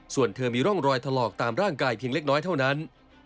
ส่วนเธอมีร่องรอยถลอกตามร่างกายเพียงเล็กน้อยเท่านั้น